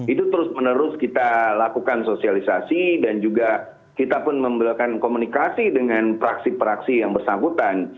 itu terus menerus kita lakukan sosialisasi dan juga kita pun memberikan komunikasi dengan praksi praksi yang bersangkutan